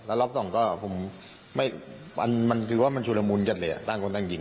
แล้วรอบสองก็ผมมันคือว่ามันชุดละมุนกันเลยตั้งคนตั้งยิง